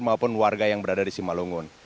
maupun warga yang berada di simalungun